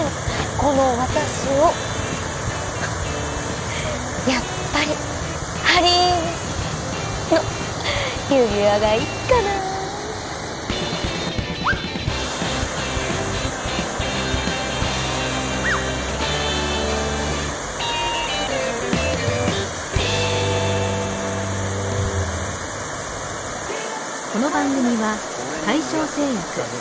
この私をやっぱりハリー・ウィンの指輪がいっかな「新・クリアアサヒ」